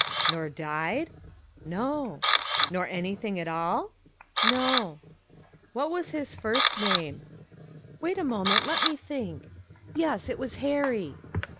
"Nor died?" "No." "Nor anything at all?" "No." "What was his first name?" "Wait a moment ... let me think ... yes, it was Harry."